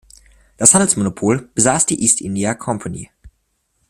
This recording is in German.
Das Handelsmonopol besaß die East India Company.